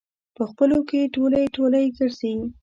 په خپلو کې ټولی ټولی ګرځي.